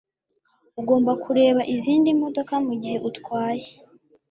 Ugomba kureba izindi modoka mugihe utwaye